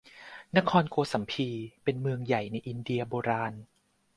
นครโกสัมพี เป็นเมืองใหญ่ในอินเดียโบราณ